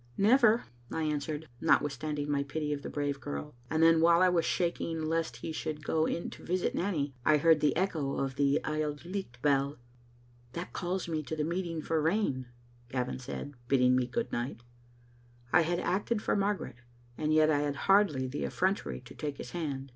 Digitized by VjOOQ IC tn>e i)il[ JSetoce S)atkne0d fetl 2ili "Never," I answered, notwithstanding my pity of the brave girl, and then while I wad shaking lest he should go in to visit Nanny, I heard the echo of the Auld Licht bell. " That calls me to the meeting for rain," Gavin said, bidding me good night. I had acted for Margaret, and yet I had hardly the effrontery to take his hand.